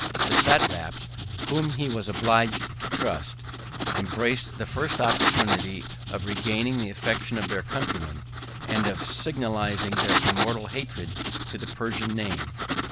The satraps, whom he was obliged to trust, embraced the first opportunity of regaining the affection of their countrymen, and of signalizing their immortal hatred to the Persian name.